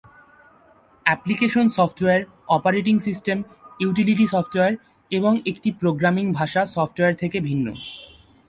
Application software operating system, utility software, এবং একটি programming ভাষা সফটওয়্যার থেকে ভিন্ন।